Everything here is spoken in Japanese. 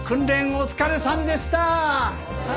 お疲れさまでした！